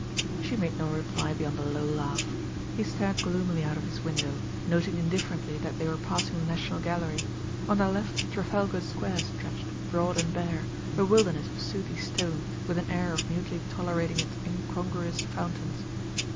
She made no reply beyond a low laugh. He stared gloomily out of his window, noting indifferently that they were passing the National Gallery. On their left Trafalgar Square stretched, broad and bare, a wilderness of sooty stone with an air of mutely tolerating its incongruous fountains.